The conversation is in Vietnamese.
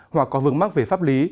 hoặc có vương mắc về pháp lý